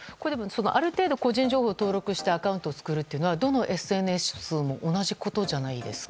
ある程度、個人情報を登録してアカウントを作るのはどのＳＮＳも同じことじゃないですか？